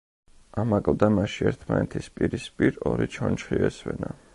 ამ აკლდამაში ერთმანეთის პირისპირ ორი ჩონჩხი ესვენა.